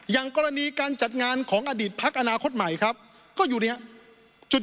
อย่างกรณีการจัดงานของอดีตพักอนาคตใหม่ครับก็อยู่ในจุด